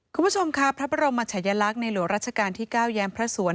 คุณผู้ชมค่ะพระบรมชายลักษณ์ในหลวงราชการที่๙แย้มพระสวน